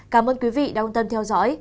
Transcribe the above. cảm ơn quý vị đã quan tâm theo dõi